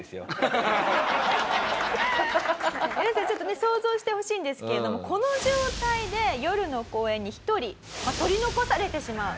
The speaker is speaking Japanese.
皆さんちょっとね想像してほしいんですけれどもこの状態で夜の公園に１人取り残されてしまう。